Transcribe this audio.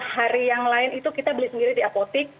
hari yang lain itu kita beli sendiri di apotik